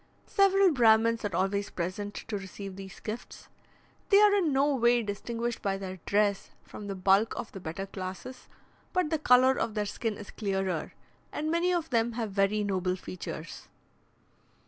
Several Brahmins are always present to receive these gifts. They are in no way distinguished by their dress from the bulk of the better classes, but the colour of their skin is clearer, and many of them have very noble features.